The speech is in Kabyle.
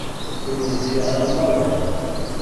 Ur yenfiɛ ara maḍi.